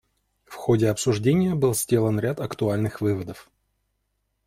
В ходе обсуждения был сделан ряд актуальных выводов.